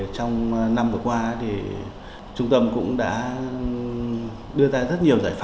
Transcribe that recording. trong năm vừa qua trung tâm cũng đã đưa ra rất nhiều giải pháp